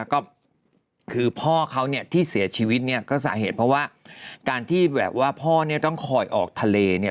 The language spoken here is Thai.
ก็คือพ่อเขาที่เสียชีวิตเนี่ยก็สาเหตุเพราะว่าการที่แบบว่าพ่อต้องคอยออกทะเลเนี่ย